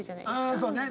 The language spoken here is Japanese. ああそうね。